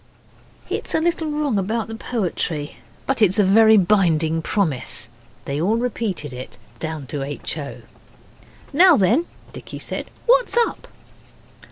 It is a little wrong about the poetry, but it is a very binding promise. They all repeated it, down to H. O. 'Now then,' Dicky said, 'what's up?